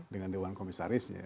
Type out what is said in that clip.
dengan dewan komisarisnya